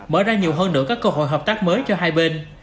mở ra nhiều hơn nữa các cơ hội hợp tác mới cho hai bên